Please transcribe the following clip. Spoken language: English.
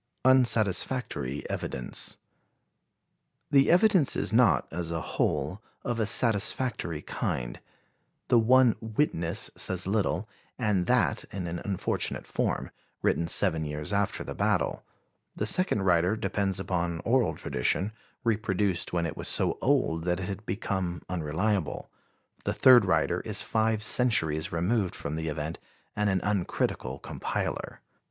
Unsatisfactory Evidence. The evidence is not, as a whole, of a satisfactory kind; the one witness says little, and that in an unfortunate form, written seven years after the battle; the second writer depends upon oral tradition, reproduced when it was so old that it had become unreliable; the third writer is five centuries removed from the event and an uncritical compiler.